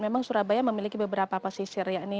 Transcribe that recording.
memang surabaya memiliki beberapa pesisir